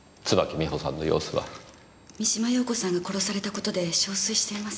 三島陽子さんが殺された事で憔悴しています。